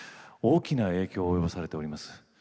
大きな影響を及ぼされております。